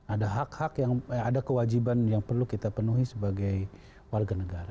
ada hak hak yang ada kewajiban yang perlu kita penuhi sebagai warga negara